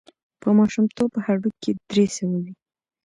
په ماشومتوب هډوکي درې سوه وي.